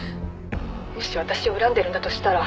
「もし私を恨んでるんだとしたら」